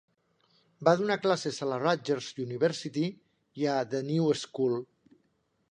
Va donar classes a la Rutgers University i a The New School.